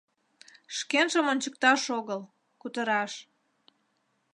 Шкенжым ончыкташ огыл — кутыраш.